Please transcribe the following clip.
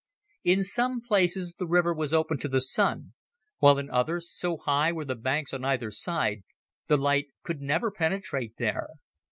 In some places the river was open to the sun, while in others, so high were the banks on either side, the light could never penetrate there.